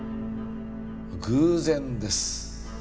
偶然です